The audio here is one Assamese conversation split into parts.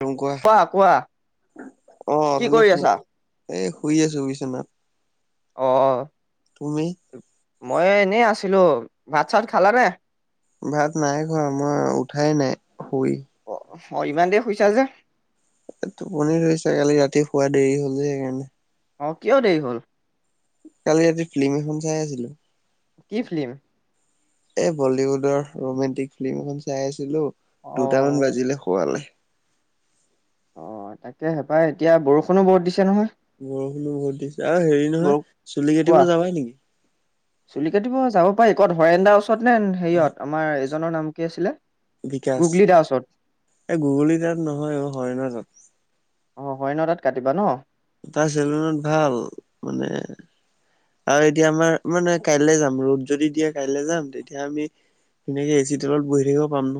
তে কোৱা অ', কি তুমি কৰি আছা এই শুই আছো শুই আছো বিচনাত। অ', অ' তুমি? মই এনেই আছিলো ভাত, চাত খালানে? ভাত নাই ঘৰ মই উঠাই নাই শুই অ', অ', ইমান দেৰি শুইছা যে? টোপনি ধৰিছ কালি ৰাতি শুৱ দেৰি হ'ল যে সেইকাৰণে। অ', কিয় দেৰি হ'ল? কালি ৰাতি ফিল্ম এখন চাই আছিলো। কি ফিল্ম? এ বলিউডৰ ৰোমেণ্টিক ফিল্ম এখন চাই আছিলো অ দুটামান বাজিলে শোৱালে। অ', তাকে হেপাই এতিয়া বৰষুণো বহুত দিছে নহয়। বৰষুণো বহুত দিছে আৰু হেৰি বৰ নহয় চুলি কোৱা কাটিব যাবা নেকি? চুলি কাটিব যাব পাৰি ক'ত হৰেণ্ দাৰ ওচৰত নে হেৰিয়ত আমাৰ এজনৰ নাম কি আছিলে? বিকাশ গুগলি দাৰ ওচৰত এই গুগলী তাত নহয় অ' হৰেনৰ তাত। অ', হৰেনৰ তাত কাটিবা ন। তাৰ চেলনত ভাল মানে আৰু এতিয়া আমাৰ মানে কাইলে যাম ৰ'দ যদি দিয়ে কাইলে যাম তেতিয়া আমি সেনেকে এ চি তেলত বহি থাকিব পাম ন।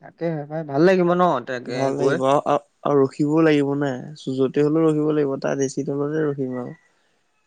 তাকেহে ভাই ভাল লাগিব ন। তাকে ভাল গৈ লাগিব অ' আৰু ৰখিবও লাগিব না চুজতে হলেও ৰখিব লাগিব তাৰ এ ছি তলতে ৰখিম আৰু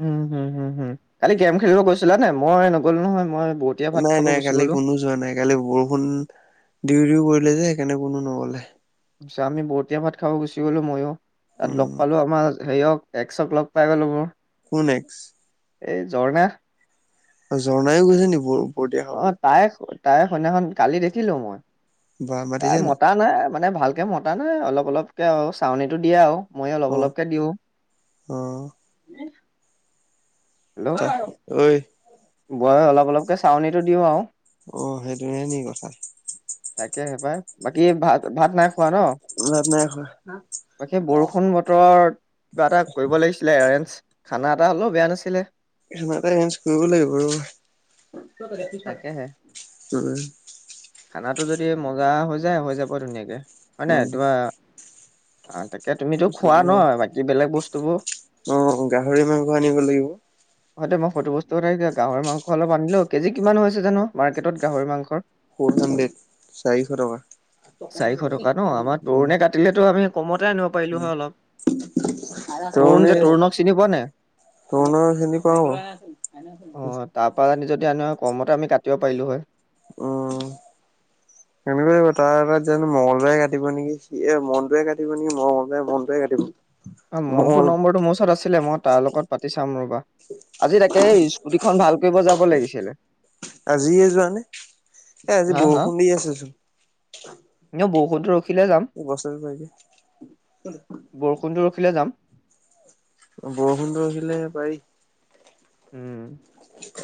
উম, হম, হম, হম কালি গেম খেলিব গৈছিলা নে মই নগ'লো নহয় মই বহুত নাই, নাই কালি কোনো যোৱা নাই কালি বৰষুণ দিও দিও কৰিলে যে সেইকাৰণে কোনো নগলে। তাৰপিছত আমি বৰটীয়া ভাত খাব গুচি গলো মইয়ো তাত লগ উম পালো আমাৰ হেৰিয়ক একশক লগ পাই গ'লো মোৰ। কোন এক্স? এই ঝৰ্ণা। অ', ঝৰ্ণাইও গৈছে নেকি বাৰু? অ', তাই, তাই সদিনাখন কালি দেখিলো মই বা তাই মাতিছে মতা নাই মানে ভালকে মতা নাই অলপ অলপকে আৰু চাউনীটো দিয়ে আৰু মইয়ে অলপ অ অলপকে দিওঁ অ' তা হেল্ল' ঐ বই অলপ অলপকৈ চাউনটো দিওঁ আৰু অ সেইটোহে নি কথা তাকে সেইবাই বাকী ভাত, ভাত নাই খোৱা ন? নাই, নাই খােৱা। বাকী বৰষুণ বতৰত কিবা এটা কৰিব লাগিছিলে এৰেঞ্জ খানা এটা হ'লেও বেয়া নাছিলে। সটা এৰেঞজ কৰিব লাগিব ৰ'বা। তাকেহে উম। খানাটো যদি মজা হৈ যায় হৈ যাব ধুনীয়াকে হয় নাই উম তিবা এ তুমিতো খোৱা চবে নহয় বাকী বেলেগ বস্তুবোৰ অ', গাহৰি মাংস আনিব লাগিব। [inaudible] হয়েইটো মই সটো বস্তু কথা গাহৰি মাং অলপ আনিলো কেজি কিমান হৈছে জানো মাৰ্কেটত গাহৰি মাংৰ? ফ'ৰ হাণ্ড্ৰেড চাৰিশ টকা। চাৰিশ টকা ন আমাৰ তৰুণে কাটিলেতো আমি কমতে আনো তৰুণ তনি যে তৰুণক চিনি পোৱা নাই তৰুণ খিনি পাওঁ অ তাৰ পৰা আ যদি আনো কমতে আমি কাটিব পাৰিলো হয়। উম, সেনেকুৱা কথা লাগিব তাৰ তাত জানো মঙগলবাৰে কাটিব নেকি সি মনটোৱে কাটিব নেকি মঙগলবাৰে মনটোৱে কাটিব মনটো মঙ্গল নম্বৰটো মোৰ ওচৰত আছিলে মই তাৰ লগত পাতি চাম ৰবা। আজি তাকে স্কুটি খন ভাল কৰিব যাব লাগিছিলে। আজিয়ে যোৱানে এ আজি হা বৰষুণ দি আছে চোন। এ বহুত দূৰ ৰখিলে যাম। বছৰে পাইকে। বৰষুণটো ৰখিলে যাম। বৰষুণটো ৰখিলে পাৰি উম,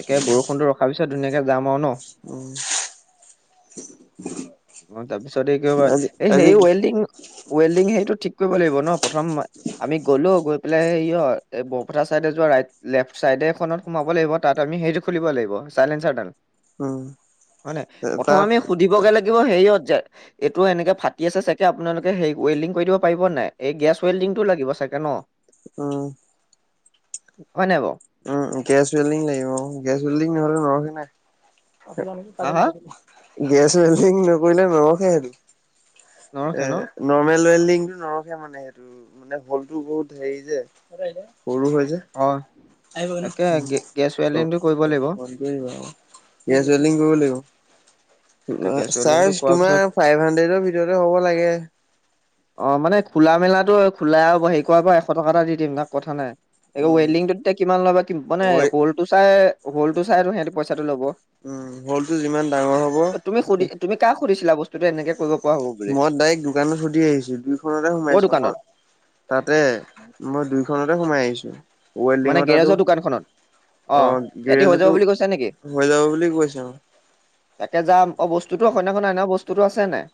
তাকে বৰষুণটো ৰখাৰ পিছত ধুনীয়াকে যাম আৰু ন [inaudible] অ, তাৰপিছত এই কি কয় আজি এই সে আজি ৱেল্ডিং ৱেল্ডিং সেইটো ঠিক কৰিব লাগিব ন প্ৰথম। আমি গ'লো গৈ পেলাই সেই অ, এই বৰপথাৰ চাইডে যোৱা ৰাইট লেফট চাইডে এখনত। সোমাব লাগিব তাত আমি সেইটো খুলিব লাগিব চাইলেন্সাৰ ডাল। উম, হয় নে প্ৰথম তাত আমি সুধিবগে লাগিব হেৰিয়ত যে এইটো এনেকে ফাটি আছে চাগে আপোনালোকে সেই ৱেল্ডিং কৰি দিব পাৰিব নাই এই গেছ ৱেল্ডিংটো লাগিব চাগে ন উম, হোৱা নে বাৰু। উম, গেছ ৱেল্ডিং লাগিব গেছ ৱেল্ডিং নহলে নৰখি নাই। হা হা গেছ উৱেচিং নকৰিলে নৰহে। নৰখে এ ন নৰৰ্মেল ৱেল্ডিংটো নৰখীয়া মানে সেইটো। মানে হলটো বহুত হেৰি যে সৰু হয় যে অ, তাকে গেছ ৱেল্ডিংটো কৰিব লাগিব। গেছ ৱেলিং কৰিব তাকে গেছ লাগিব ৱেল্ডিংটো চাৰ কৰাৰ পিছত তোমাৰ। ফাইভ হাড্ৰেডৰ ভিতৰতে হ'ব লাগে। অ মানে খোলা মেলাতটো খোলাই আৰু হে কৰ পৰা এশ টকা এটা দি দিম তাক কথা নাই এই উম ৱেল্ডিংটো তেতিয়া কিমান ল'বা মানে হয় হলটো চাই হলটো চাই আৰু সিহ পইচাটো ল'ব। উম, হল টো যিমান ডাঙৰ হ'ব। তুমি সুধি তুমাক সুধিছিলা বসু এনেকৈ কৰিব। পৰা হ'ব বুলি মই ডাইৰেক্ট দোকানো সুধি আহিছো দুইখনতে কৰ সোমাইছো দোকানত? মই। তাতে মই দুইখনতে সোমাই আহিছো মানে ওৱেল্ডিঙৰ তো। গেৰেজৰ দোকানখনত অ, সিহঁতি হৈ যাব গিৰেজো বুলি কৈছে নেকি? হৈ যাব বুলি কৈছে আৰু। তাকে যাম অ, বস্তুতো সেইদিনাখন অনা বস্তুটো আছে নাই।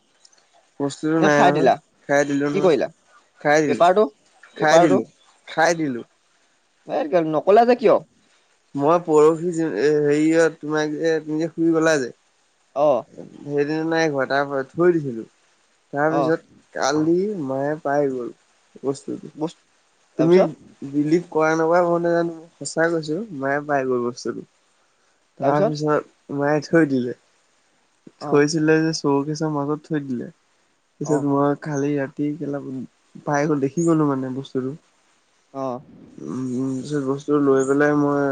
প্ৰস্তুতো নে নাই খাই নহয় দিলা খাই দিলোও কি নহয়। কৰিলা খাই দিলো পেপাৰটো? খাই দিলো পেপাৰটো খাই দিলো। এই নকলা যে কিয়। মই পৰহি হেৰিয়ত তোমাক যে তুমি শুই গলা যে। অ, সেইদিনা নাই ঘৰ তাৰপা থৈ দিছিলো অ', তাৰপিছত। কালি মায়ে পাই গ'ল বস্তুটো বস্তু তুমি। তাৰপিছত বিলিভ কৰা নকৰা কওঁ ন জানো সঁচাই কৈছো মায়ে পাই গৈ বস্তুটো। তাৰপিছত মায়ে থৈ দিলে। অ', থৈছিলে যে চৌকেচৰ মাজত থৈ দিলে অ', পিছত মই খালি ইয়াত। কেলা পাই গল দেখি গলো মানে বস্তুটো। অ উম পিছত বস্তু লৈ পেলাই মই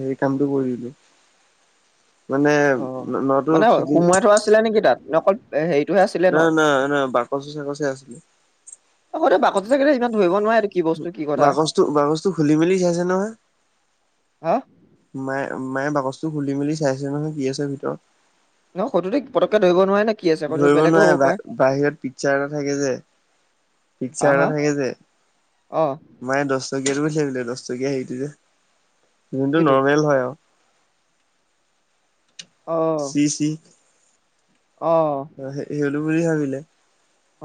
হে কামটো কৰিলো [unintelligible] মানে অ নতো মানে থাকি ন সোমোৱাই থোৱা আছিলে নেকি তাত অকল হেৰি ন না না বাকচে চাকচে আছিলে অক বাকততে চাগে ইমান ধৰিব নোৱাৰোৱ বাকচটো বাকচটো খুলি মেলি চাইছে নহয় হা মায়ে মায়ে বাকচটো খুলি মেলি চাইছে নহয় কি আছে ভিতৰত ন সৈটোতে পতককে ধৰিব নোৱাৰে নে কি আছে সৈটো ধৰিব বেলেগো হ'ব পাৰে নোৱাৰে বাহিৰত পিকচাৰ এটা থাকে যে হা পিকচাৰ এটা হা থাকে যে অ' মায়ে দহ টকীয়াাতটো বুলি ভাবিলে দহটকীয়া হেৰিটো যে যোনটোটো কিটো নৰ্মেল হয় আৰু শ অ' শি অ সেইলো বুলি ভাবিলে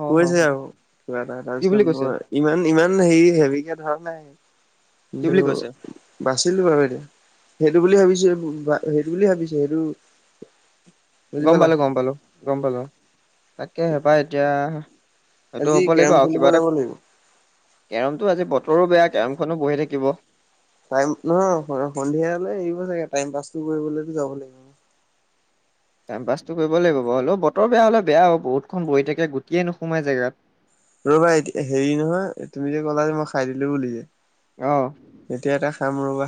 অ' হ কৈছে হ আৰু কিবা এটা কি তাৰপিছত বুলি কৈছে মই ইমান ইমান হেৰি হেভিকে ধৰা নাই কি কিন্তু বুলি কৈছে বাচিলো বাৰু এতিয়া সেইটো বুলি ভাবিছে সেইটো বুলি ভাবিছে সেইটো বুজি গম পালা পালো গম পালো গম পালো তাকে হেপাহ এতিয়া সতটো আজি হ'ব লাগিব কেৰম আৰু খেলিব কিবা এটা যাব লাগিব কেৰমটো আজি বতৰো বেয়া কেৰমখনো বহি থাকিব টাইম নহয় সন্ধিয়ালৈ আহৰিব চাগে টাইম পাছ টো কৰিবলেতো যাব লাগিব টাইম পাছ কৰিব লাগিব বু হলেও বৰ বেয়া হলে বেয়া হ বহুত বহ থাক গটেই নোসোমাই জেগাত ৰ'বায়া হেৰি নহয় তুমি যে ক'লা যে মই খাই দিলো বুলি যে অ এতিয়া এটা খাম ৰবা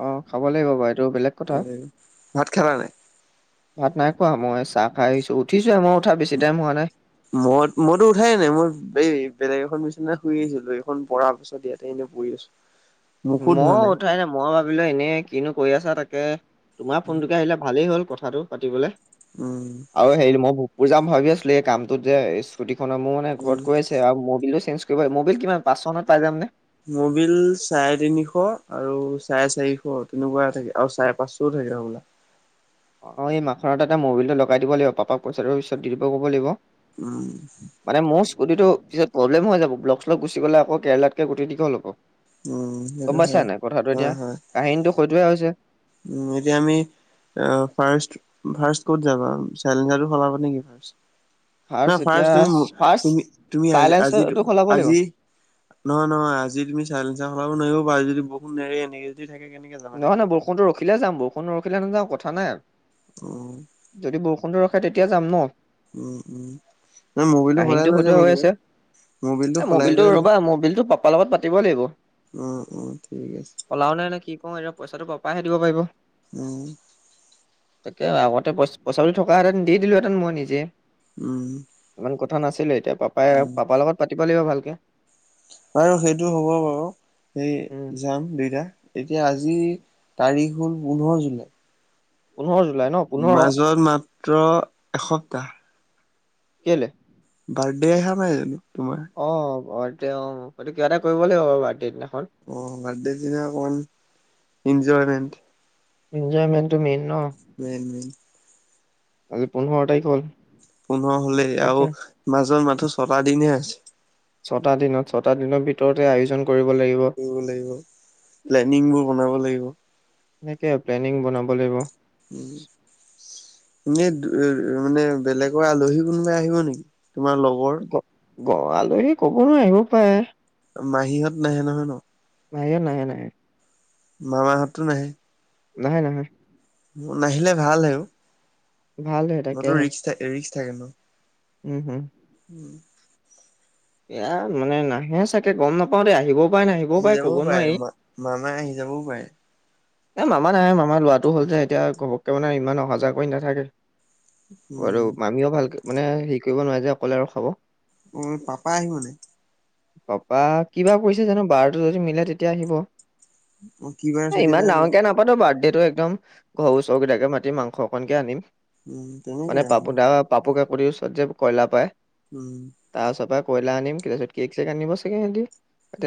অ খাব লাগিব বাৰু এইটো বেলেগ কথা ভাত খালা নাই? ভাত নাই খোৱা মই চাহ খাই আহিছো উঠিছোে মই উঠা বেছি টাইম হোৱা নাই মই মইতো উঠাইে নাই মই এই বেলেগ এখন নিচিনা শুই আহিছিলো এইখন পঢাৰ পিছত ইয়াতে এনেই পৰিঢ আছো মুখো ধোৱা মইয় উঠাই নাই মইয় ভাবিলো এনেই কিনো কৰি আছা তাকে তোমাৰ ফোনটোকে আহিলে ভালেই হল কথাটো পাতিবলৈ উম আৰু হেৰি মই ভূপুৰ যাম ভাবি আছিলো এই কামটোত যে স্কুটিখনৰ মোৰ মানে উম ঘৰতৈছে আৰু মবিল টো চেঞ্জ কি ম'বিল কিমান পাঁচ মত পাই যাম নে মবিল চাৰে তিনিশ আৰু চাৰে চাৰিশ তেনেকুৱা থাকে আৰু চাৰে পাঁচশও থাকে সবলা অ এই মাখনত এটা মবিলটো লগাই দিব লাগিব পাপাক পইচাটো পিছত দি দিব ক'ব লাগিব উম মানে মোৰ স্কুটিটো পিছত প্ৰব্লেম হৈ যাব ব্লক্ল গুি গ'লে আক কেলাতকে গুটি দীঘল হব উম সেইটো হয় গমাইছা নাই কথাটো এতিয়া হয় হয় কাহিনীতটো সেইতোৱে হৈছে উম এতিয়া আমি ফ ফ ক'ত যাবা চেলেঞ্জাৰটো সলাব নেকি ন ফাৰ্ষ্ট ফাৰ এতিয়া তুমি ফাৰ্ষ্ট তুমি তুমি আজি আজি চাইলেঞ্চটো সলাব লাগিব আজি নহয় নহয় আজি তুমি চাইেঞ্চ চ খলাব নোৱাৰিব পাৰি যদি বহুত নেৰে এনেকে যদি থাকে কেনেকে যানা তেদি [unintelligible] অ যদি বৰষুণটো ৰখে তেতিয়া যাম ন উম উম ম মবাইলটো সলাই কাহিনীটো লৈ সেইটোৱে যামে হৈ কিবা আছে এ মবিলটো ৰ'বা মবিলটো পাপাৰ লগত পাতিবই লাগিব অ অ ঠিক আছে অ এতিয়া পইচাটোৰপাহহে দিব পাৰিব উম তাকে আগতে পই পইচাটো থকাাহেঁতেন দি দিলোহেঁতেন মই নিজে উম ইমান কথা নাছিলো এতিয়া পাপাই পাপাৰ লগত পাতিব লাগিব ভালকে ব সেইটো হ'ব বাৰু সেই উম যাম দুইটা এতিয়া আজিৰ তাৰিখ হ'ল পোন্ধৰ জুলাই পোন্ধৰ জুলাই ন পোন্ধৰ মাজত মাত্ৰ এসপ্তাহ কেলে বাৰ্থডে অহা নাই জানো তোমাৰ অ বাৰ্থডে অ হেইটো কিবা এটা কৰিব লাগিব বাৰু বাৰ্থডে দিনাখন অ বাৰ্থডে দিনা অকমান ইনজয়মেন্ট ইনজয়মেন্টটো মেইন ন মেইন মেইন আজি পোন্ধৰ তাৰিখ হল পোন্ধৰ হলেই তাকে আৰু মাজত মাথো ছটা দিনহে আছে ছটা দিনত ছটা দিনৰ ভিতৰতে আয়োজন কৰিব লাগিব কৰিব লাগিব প্লেনিংবোৰ বনাব লাগিব এনেকে প্লেনিং বনাব লাগিব উম এনেই দু ৰ মানে বেলেগৰ আলহী কোনোবা আহিব নেকি তোমাৰ লগৰ গ গ আলহী কব নোৱাৰ আহিব পাৰে মাহীহঁত নাহে নহয় ন মাহীহঁত নাহে নাহে মামাহঁতো নাহে নাহে নাহে নাহিলে ভাল হে অ ভালহে ন তো তাকেহে ৰিক্স থা ৰিক্স থাকে ন উম হুম উম এয়া মানে নাহে চাগে গম নাপাও দেই আহিবও পায় নাহিবও আহি পাৰে যাবও কব নোৱাৰি মা মামা আহি যাবও পাৰে এ মামা নাহে মামা লৰাটো হ'ল যে এতিয়া ঘপককে মানে ইমান অহা যোৱা কৰি নাথাকে আৰু উম, মামিও ভালকে মানে হেৰি কৰিব নোৱাৰে যে অকলে ৰখাব অ পাপা আহিব নে পাপা কি বাৰ পৰিছে জানো বাৰটো যদি মিলে তেতিয়া আহিব অ কি বাৰে ছুটি পাই আকৌ ন নাপাতো বাৰ্থডেটো একদম ঘৰৰ ওচৰৰ কেইটাকে মাতিম মাংস অকণকে আনিম উম, তেনেকে মানে আৰু পাপু দা পাপু কাকতি ওচৰত যে কইলা পায় উম তাৰ ওচৰৰ পৰাই কইলা আনিম তাৰ পিছত কেক চেক আনিব চাগে সিহঁতি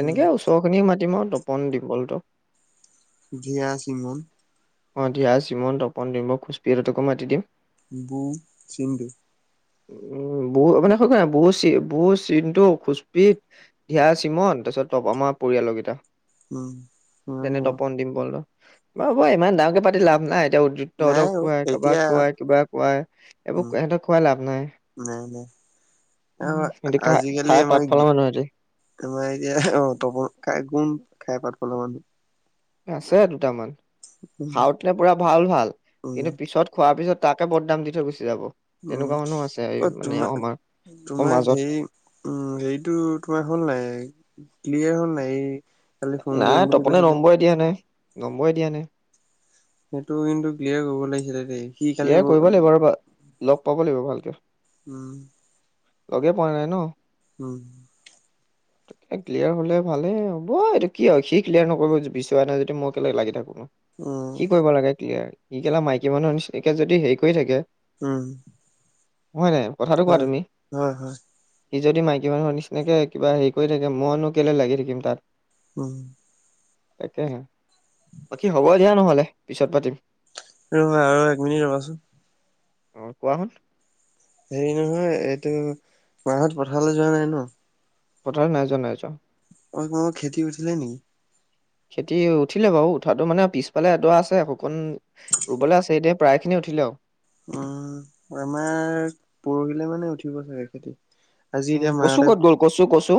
উম, ওচৰ খিনিয়ে মাতিম আৰু তোক পনদ্বীপ অল্টো দিয়া, চিমন অ দিয়া, চিমন, তপন, ডিম্ব, খোচপি হঁতকো মাতি দিম বুম, চিংকি উম বো মানে সঁচাই বো চি বো চিন্টু, খুচপি দিয়া, চমন তাৰপিছত তপ আমাৰ পৰিয়ালৰ কেইটা উম, সিমানে যেনে আৰু। তপন, ডিম্পল বাৰু হ'ব ইমান ডাঙৰকে পাতি লাভ নাই এতিয়া নাই তহঁতক অ খুৱাই এতিয়া কাৰোবাক খুৱাই কিবা খুৱাই উম এইবোৰ এহঁতক খুৱাই লাভ নাই নাই নাই আ উম, সিহঁতি খা আজিকালি খাই পাত আমাৰ ফলা গি মানুহ সিহঁতি আমাৰ এতিয়া ৰ তপন কাই গুণ খাই পাত ফলা মানুহ এ আছে দুটামান। উম খাওঁতে পুৰা ভাল ভাল উম কিন্তু পিছত খোৱাৰ পিছত তাকে বদনাম দি থৈ গুচি যাব উম তেনেকুৱা মানুহ আছে এই অ', মানে তোমাৰ আমাৰ তোমাক সমাজত হেই উম হেৰিটো তোমাৰ হ'ল নাই ক্লিয়াৰ হ'ল নাই এই কালি ফোন কৰিম নাই বুলি তপনে কৈছিলে নম্বই দিয়া নাই নম্বই দিয়া নাই সেইটো কিন্তু ক্লিয়াৰ কৰিব লাগিছিলে দেই সি কালি ক্লিয়াৰ ব কৰিব লাগিব আৰু লগ পাব লাগিব ভালকে উম লগেই পোৱা নাই ন উম [inaudible] ত ক্লিয়াৰ হ'লে ভালে হ'ব এইটো কি আৰু সি ক্লিয়াৰ নকৰিব বিচৰা নাই যদি মই একেলগ লাগি থাকো উম ন [inaudible] উম হয় নাই কথাটো কোৱা হয় তুমি হয় হয় সি যদি মাইকী মানুহৰ নিচিনাকৈ কিবা হেৰি কৰি থাকে মইনো কেলৈ লাগি থাকিম তাত [inaudible] তাকে বাকী হ'ব দিয়া নহ'লে পিছত পাতিম ৰ আৰু এক মিনিট ৰবাচোন অ', কোৱা হেৰি নহয় এইটো মাহত পথাৰলৈ যোৱা নাই ন পথাৰ নাই যোৱা, নাই যোৱা। অ', কোনোব ক্ষতি উঠছিলে নেকি? খেতি উঠিলে বাৰু উঠাতটো মানে পিছফালে এ আছে। শুকণ ৰুবলৈ আছে এতিয়া প্ৰায়খিনি উঠিলে আৰু উম আমাৰ পৰহিলে মানে উঠিব চাগে খেতি আজি উম এতিয়া কছু মাহঁতে ক'ত গ'ল কছো কছু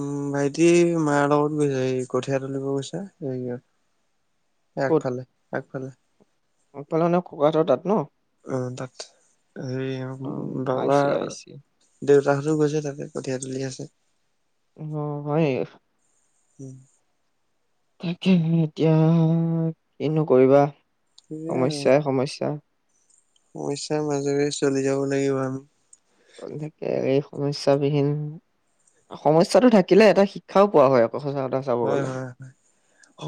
উম ভাইটি মাৰ লগত গৈছা এই কঠীয়া তোলিব গৈছা একফালে একফালে ফালে নে ককাহাতৰ তাত ন অ', তাত এই অ বাবা আহিছে আহিছে দেউতাহঁতো গৈছে তাতে কঠিয়া তুলি আছে। অ', হয়। [inaudible] তাকে এতিয়া কিনো কৰিবা সেয়াই আৰু সমস্যয়াই সমস্যা সমস্যাৰ মাজেৰে চলি যাব লাগিব আমি এনেকে এই সমস্যা বিহীন সমস্যাটো থাকিলে এটা শিক্ষাও পোৱা হয় আকৌ সঁচা কথা চাব হয়, গ'লে হয়, হয়,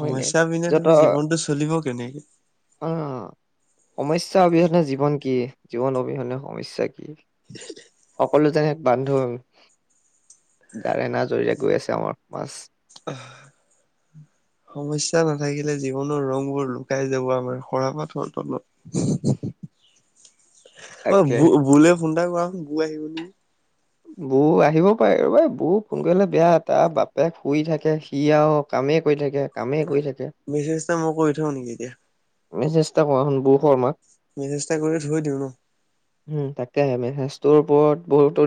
হয় নাই পিনে যত তুমি জীৱনতটো চলিব কেনেকে অ', সমস্যা অবিহনে জীৱন কি? জীৱন অবিহনে সমস্যয়া কি? [inaudible] সকলো জনে বান্ধোন ডাৰে ন জৰিৰে গৈ আছে। আমাৰ সমাজ [inaudible] সমস্যা নাথাকিলে জীৱনৰ ৰং বোৰ লুকাই যাব আমাৰ সৰা পাতৰ তত [inaudible] অ তাকে ব বুলে ফোন এটা কৰাচোন বু আহিব নেকি বৌ আহিব পাৰে ৰবাই বৌ কোন কৰিলে বেয়া তাৰ বাপেক শুই থাকে সি আৰু কামেই কৰি থাকে। কামেই কৰি থাকে। মেচজ মই কৈ থওঁ নেকি এতিয়া মেছেজটা কৰাচোন বু শৰ্মাক মেছেজটা কৰি ধ থৈ দিওঁ নো উম তাকেে মেছেজটোৰ ওপৰত বহুতো